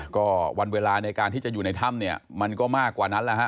ก็วันเวลาในการที่จะอยู่ในถ้ำเนี่ยมันก็มากกว่านั้นแหละฮะ